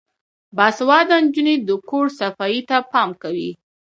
باسواده نجونې د کور صفايي ته پام کوي.